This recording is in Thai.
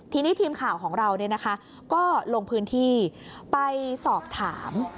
ทีนี้ทีมข่าวของเราก็ลงพื้นที่ไปสอบถาม